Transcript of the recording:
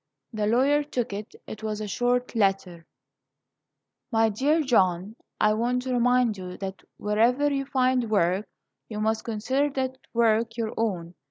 The lawyer took it. It was a short letter: "MY DEAR JOHN: I want to remind you that wherever you find work, you must consider that work your own.